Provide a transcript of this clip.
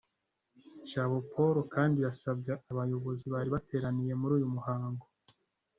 Jabo Paul kandi yasabye abayobozi bari bateraniye muri uyu muhango